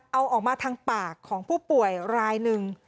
เอาออกมาทางปากของผู้ป่วยรายหนึ่ง